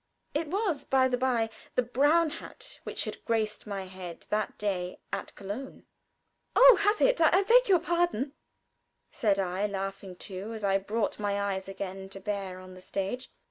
It was, by the by, the brown hat which had graced my head that day at Köln. "Oh, has it? I beg your pardon!" said I, laughing too, as I brought my eyes again to bear on the stage.